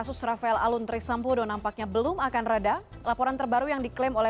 selamat malam mbak lalola